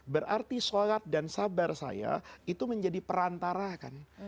berarti sholat dan sabar saya itu menjadi perantara kan